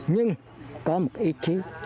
nhưng có một ý chí